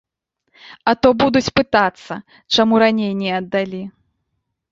А то будуць пытацца, чаму раней не аддалі.